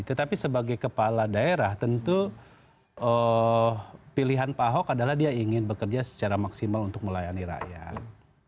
tetapi sebagai kepala daerah tentu pilihan pak ahok adalah dia ingin bekerja secara maksimal untuk melayani rakyat